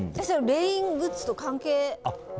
レイングッズと関係。